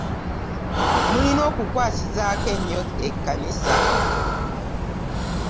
Mulina okukwasizaako ennyo ekkanisa.